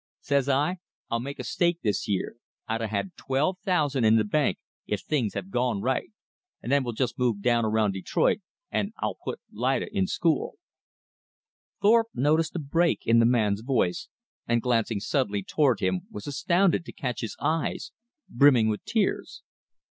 Says I, I'll make a stake this year I'd a had twelve thousand in th' bank, if things'd have gone right and then we'll jest move down around Detroit an' I'll put Lida in school." Thorpe noticed a break in the man's voice, and glancing suddenly toward him was astounded to catch his eyes brimming with tears.